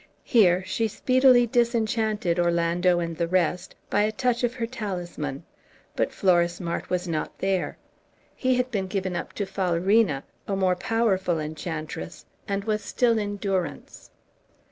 Here she speedily disenchanted Orlando and the rest by a touch of her talisman. But Florismart was not there. He had been given up to Falerina, a more powerful enchantress, and was still in durance.